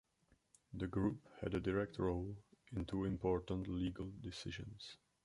The group had a direct role in two important legal decisions.